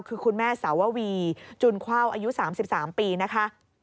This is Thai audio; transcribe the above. คือคุณแม่สาววีจุนเข้าอายุ๓๓ปีนะคะ